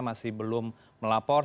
masih belum melapor